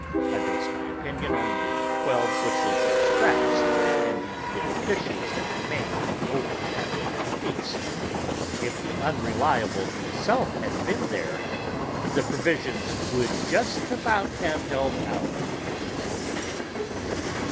I base my opinion on the twelve bushels of scraps and the little fishes that remained over after that feast. If the Unreliable himself had been there, the provisions would just about have held out, I think.